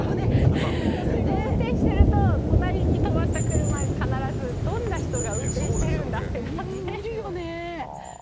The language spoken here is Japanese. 運転してると隣に止まった車は必ず、どんな人が運転してるんだってなってる。